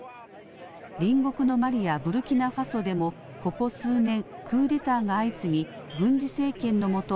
隣国のマリやブルキナファソでもここ数年、クーデターが相次ぎ軍事政権のもと